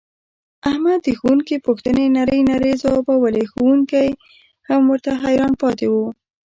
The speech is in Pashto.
احمد د ښوونکي پوښتنې نرۍ نرۍ ځواوبولې ښوونکی یې هم ورته حیران پاتې و.